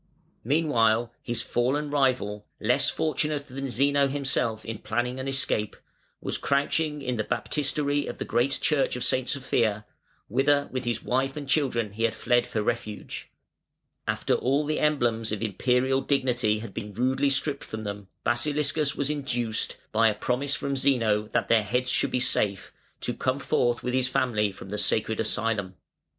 ] Meanwhile his fallen rival, less fortunate than Zeno himself in planning an escape, was crouching in the baptistery of the great Church of Saint Sophia, whither with his wife and children he had fled for refuge. After all the emblems of Imperial dignity had been rudely stripped from them, Basiliscus was induced, by a promise from Zeno, "that their heads should be safe", to come forth with his family from the sacred asylum.